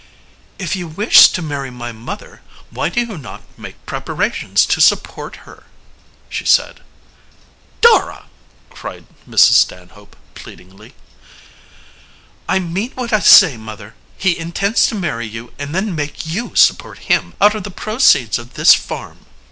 "If you wish to marry my mother, why do you not make preparations to support her?" she said. "Dora!" cried Mrs. Stanhope pleadingly. "I mean what I say, mother. He intends to marry you and then make you support him, out of the proceeds of this farm."